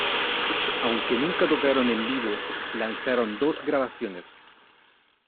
Aunque nunca tocaron en vivo, lanzaron dos grabaciones.